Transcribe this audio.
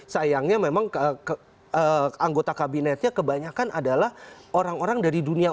sayangnya memang anggota kabinetnya kebanyakan adalah orang orang dari dunia